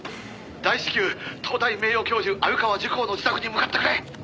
「大至急東大名誉教授鮎川珠光の自宅に向かってくれ」